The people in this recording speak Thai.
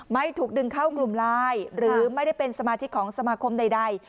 ไม่ถูกดึงเข้ากลุ่มไลน์หรือไม่ได้เป็นสมาชิกของสมาคมใด